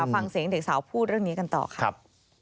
ฟังเสียงเด็กสาวพูดเรื่องนี้กันต่อครับ